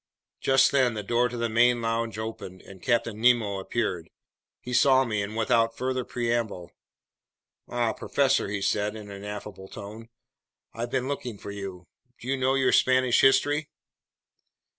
Just then the door to the main lounge opened and Captain Nemo appeared. He saw me, and without further preamble: "Ah, professor," he said in an affable tone, "I've been looking for you. Do you know your Spanish history?"